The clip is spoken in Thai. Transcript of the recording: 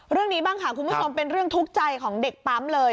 เรื่องนี้บ้างค่ะคุณผู้ชมเป็นเรื่องทุกข์ใจของเด็กปั๊มเลย